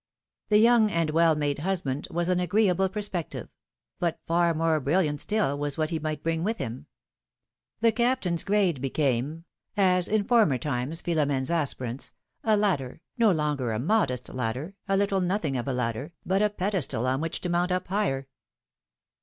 The young and well made husband was an agreeable perspective ; but far more brilliant still was what he might bring with him. The Captain's grade became — as in former times Philomene's aspirants — a ladder, no longer a modest ladder, a little nothing of a ladder, but a pedestal on which to mount up higher.